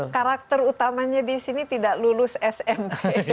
karakter utamanya di sini tidak lulus smp